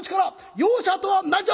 「容赦とは何じゃ！」。